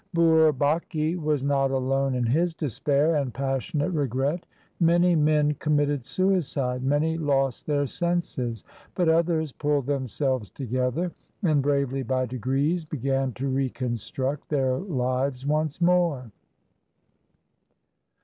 Bourbaki was not alone in his despair and pas sionate regret. Many men committed suicide, many lost their senses, but others pulled themselves to gether and bravely by degrees began to reconstruct their lives once more.